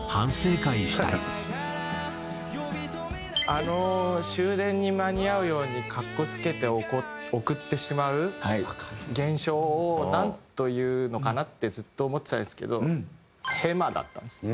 あの終電に間に合うように格好付けて送ってしまう現象をなんと言うのかな？ってずっと思ってたんですけど「ヘマ」だったんですね。